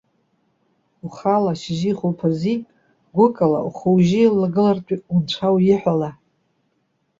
Ухала, шьыжьи хәылԥази гәык ала, ухәыужьы еилагылартә унцәа уиҳәала.